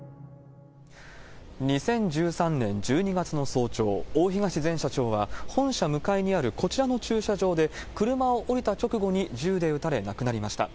２０１３年１２月の早朝、大東前社長は、本社向かいにあるこちらの駐車場で、車を降りた直後に銃で撃たれ、亡くなりました。